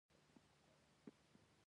د دوی راز ښکاره کېږي.